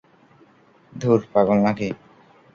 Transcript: ধুর, পাগল নাকি?